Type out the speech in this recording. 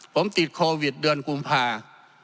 ผมติดโควิดเดือนกุมภา